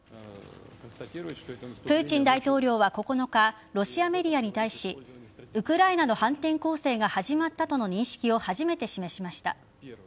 プーチン大統領は９日ロシアメディアに対しウクライナの反転攻勢が始まったとの認識を初めて示しました。